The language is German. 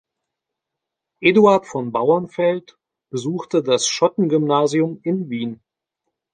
Eduard von Bauernfeld besuchte das Schottengymnasium in Wien.